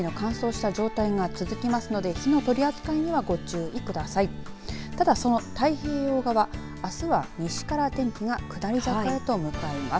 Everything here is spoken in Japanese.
ただ、その太平洋側あすは西から天気が下り坂へと向かいます。